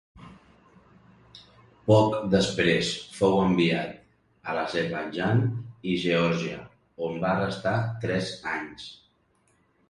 Poc després fou enviat a l'Azerbaidjan i Geòrgia on va restar tres anys.